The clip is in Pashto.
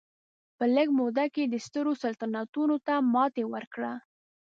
په لږه موده کې یې سترو سلطنتونو ته ماتې ورکړه.